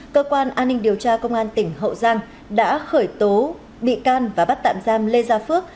cơ quan an ninh điều tra công an tỉnh hậu giang đã khởi tố bị can và bắt tạm giam lê gia phước